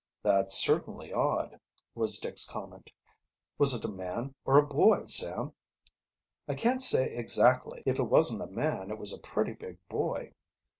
"That's certainly odd," was Dick's comment "Was it a man or a boy, Sam?" "I can't say exactly. If it wasn't a man it was a pretty big boy."